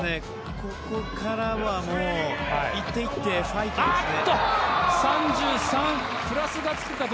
ここからは１手１手ファイトですね。